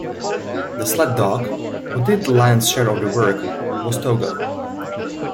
The sled dog who did the lion's share of the work was Togo.